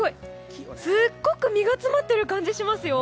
すごく身が詰まっている感じがしますよ。